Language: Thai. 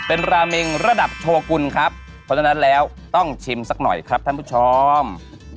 เป็นราเมงระดับโชกุลครับเพราะฉะนั้นแล้วต้องชิมสักหน่อยครับท่านผู้ชม